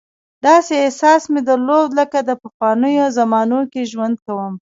داسې احساس مې درلود لکه په پخوانیو زمانو کې ژوند کوم.